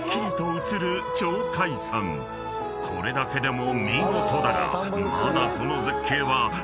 ［これだけでも見事だが］